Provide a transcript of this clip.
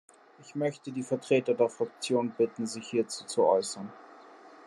Ich möchte die Vertreter der Fraktionen bitten, sich hierzu zu äußern.